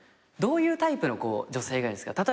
どういうタイプの女性がいいんすか？